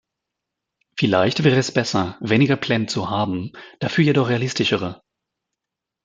Vielleicht wäre es besser, weniger Pläne zu haben, dafür jedoch realistischere.